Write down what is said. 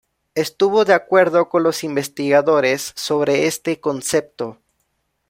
Estuvo de acuerdo con los investigadores sobre este concepto.